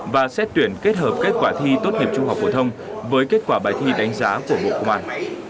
và xét tuyển kết hợp kết quả thi tốt nghiệp trung học phổ thông với kết quả bài thi đánh giá của bộ công an